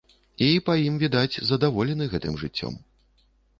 І, па ім відаць, задаволены гэтым жыццём.